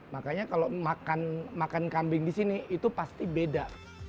makanya kalau makan kambing di sini itu pasti beda